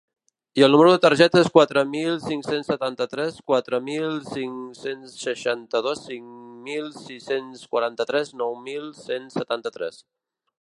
I el numero de targeta és quatre mil cinc-cents setanta-tres quatre mil cinc-cents seixanta-dos cinc mil sis-cents quaranta-tres nou mil cent setanta-tres.